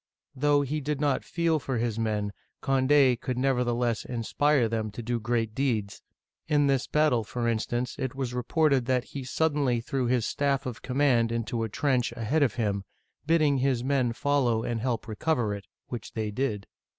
'* Though he did not feel for his men, Cond6 could never theless inspire them to do great deeds ; in this battle, for instance, it was reported that he suddenly threw his staff of command into a trench ahead of him, bidding his men follow and help recover it, which they did.